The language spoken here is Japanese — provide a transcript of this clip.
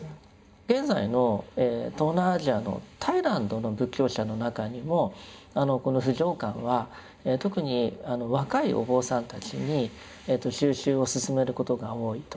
現在の東南アジアのタイランドの仏教者の中にもこの不浄観は特に若いお坊さんたちに修習を進めることが多いと。